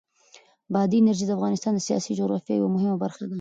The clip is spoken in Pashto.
بادي انرژي د افغانستان د سیاسي جغرافیه یوه مهمه برخه ده.